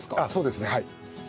あっそうですねはい。